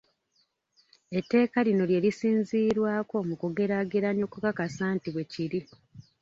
Etteeka lino lye lisinziirwako mu kugeraageranya okukakasa nti bwe kiri.